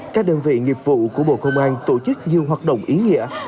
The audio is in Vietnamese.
các đơn vị nghiệp vụ của bộ công an tổ chức nhiều hoạt động ý nghĩa